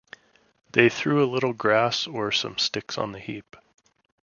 They threw a little grass or some sticks on the heap.